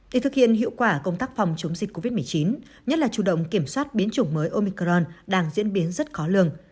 để thực hiện hiệu quả công tác phòng chống dịch covid một mươi chín nhất là chủ động kiểm soát biến chủng mới omicron đang diễn biến rất khó lường